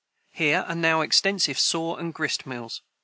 Here are now extensive saw and grist mills.